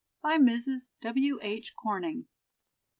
BY MRS. W. H. CORNING.